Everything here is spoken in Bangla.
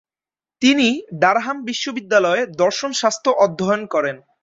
তিনি ডারহাম বিশ্ববিদ্যালয়ে দর্শনশাস্ত্র অধ্যয়ন করেন।